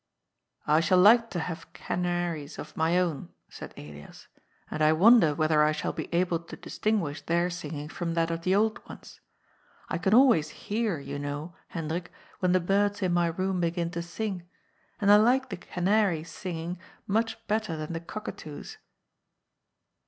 ^* I shall like to have canaries of my own,'' said Elias, ^ and I wonder whether I shall be able to distinguish their singing from that of the old ones. I can always hear, you know, Hendrik, when the birds in my room begin to sing, and I like the canaries' singing much better than the cockatoo's."